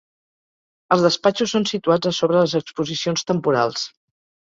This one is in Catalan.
Els despatxos són situats a sobre les exposicions temporals.